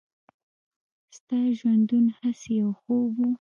«ستا ژوندون هسې یو خوب و.»